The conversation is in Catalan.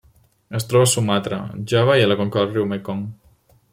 Es troba a Sumatra, Java i a la conca del riu Mekong.